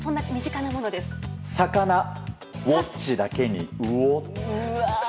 魚、ウォッチだけにうおっち。